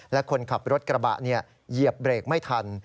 และคนขับรถกระบะเหยียบเบรกไม่ทัน